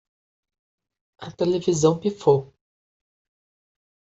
A televisão pifou